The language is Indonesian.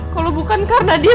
kalau bukan karena dia